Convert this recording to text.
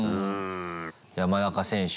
山中選手。